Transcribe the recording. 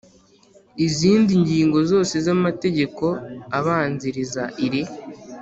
izindi ngingo zose z amategeko abanziriza iri